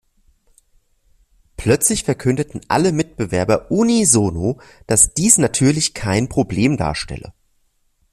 Plötzlich verkündeten alle Mitbewerber unisono, dass dies natürlich kein Problem darstelle.